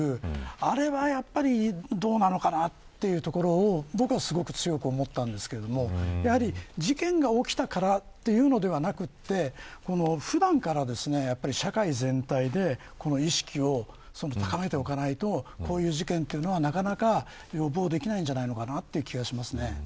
あれは、やっぱりどうなのかなというところを僕はすごく強く思ったんですけどやはり、事件が起きたからというのではなくて普段から社会全体で、この意識を高めておかないとこういう事件は、なかなか予防できないんじゃないのかなという気がしますね。